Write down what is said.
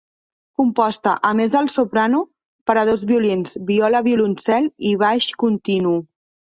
Composta, a més del soprano, per a dos violins, viola violoncel i baix continu.